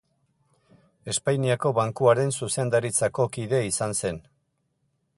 Espainiako Bankuaren zuzendaritzako kide izan zen.